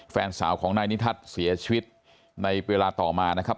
แฟนสาวของนายนิทัศน์เสียชีวิตในเวลาต่อมานะครับ